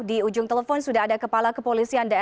di ujung telepon sudah ada kepala kepolisian daerah